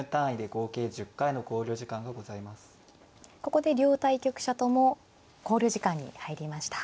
ここで両対局者とも考慮時間に入りました。